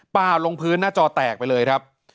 ลงพื้นหน้าจอแตกไปเลยครับ